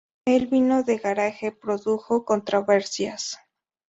El vino de garaje produjo controversias.